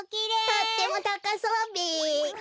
とってもたかそうべ。